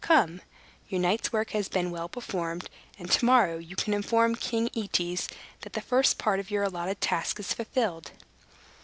Come! Your night's work has been well performed; and to morrow you can inform King Aetes that the first part of your allotted task is fulfilled."